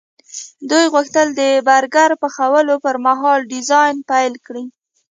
دوی غوښتل د برګر پخولو پرمهال ډیزاین پیل کړي